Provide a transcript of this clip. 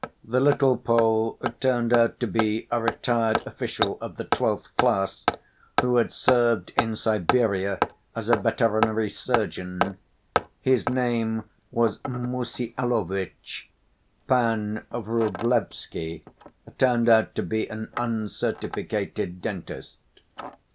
The little Pole turned out to be a retired official of the twelfth class, who had served in Siberia as a veterinary surgeon. His name was Mussyalovitch. Pan Vrublevsky turned out to be an uncertificated dentist.